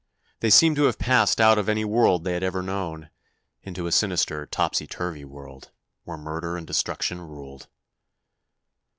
they seemed to have passed out of any world they had ever known, into a sinister, topsy turvy world, where murder and destruction ruled.